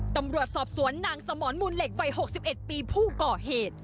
ตำรวจสอบสวนนางสมรมูลเหล็กวัย๖๑ปีผู้ก่อเหตุ